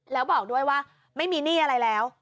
แล้วบอกด้วยว่าไม่มีหนี้อะไรแล้ว